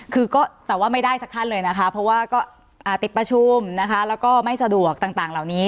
คือก็แต่ว่าไม่ได้สักท่านเลยนะคะเพราะว่าก็ติดประชุมนะคะแล้วก็ไม่สะดวกต่างเหล่านี้